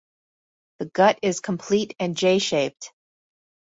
The gut is complete and J-shaped.